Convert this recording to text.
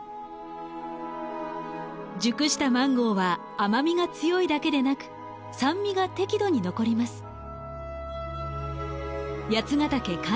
熟したマンゴーは甘みが強いだけでなく酸味が適度に残ります。